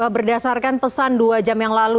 berdasarkan pesan dua jam yang lalu